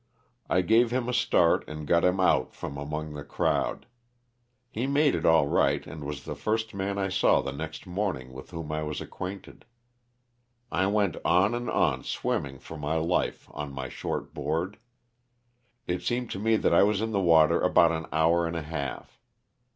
I gave him a start and got him out from among the crowd. He made it all right and was the first man I saw the next morning with whom I was acquainted. I went on and on swimming for my life on my short board. It seemed to me that I was in the water about an hour and a half.